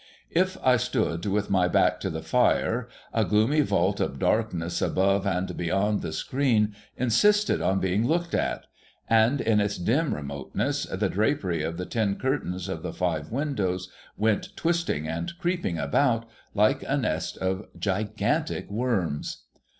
If I stood with my back to the fire, a gloomy vault of darkness above and beyond the 92 THE HOLLY TREE screen insisted on being looked at ; and, in its dim remoteness, tlie drapery of the ten curtains of the five windows went twisting and creeping about, like a nest of gigantic worms.